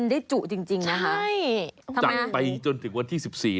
ดีดดีดดีดดี